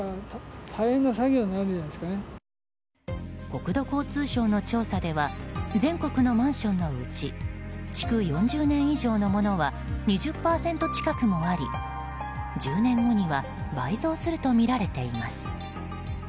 国土交通省の調査では全国のマンションのうち築４０年以上のものは２０％近くもあり１０年後には倍増するとみられています。